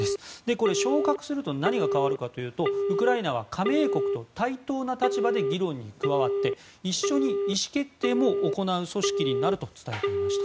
これ、昇格すると何が変わるかというとウクライナは加盟国と対等な立場で議論に加わって一緒に意思決定も行う組織になると伝えていました。